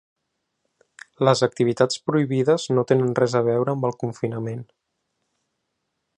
Les activitats prohibides no tenen res a veure amb el confinament.